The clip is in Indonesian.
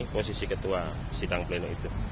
posisi ketua sidang pleno itu